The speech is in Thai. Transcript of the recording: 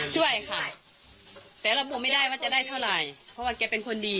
ช่วยค่ะแต่ระบุไม่ได้ว่าจะได้เท่าไหร่เพราะว่าแกเป็นคนดี